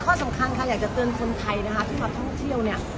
ข้อสำคัญค่ะอยากจะเตือนคนไทยนะคะที่มาท่องเที่ยวเนี่ย